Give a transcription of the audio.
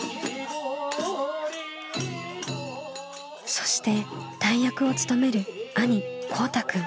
そして大役を務める兄こうたくん。